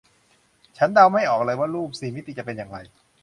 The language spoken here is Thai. ฉันเดาไม่ออกเลยว่ารูปสี่มิติจะเป็นอย่างไร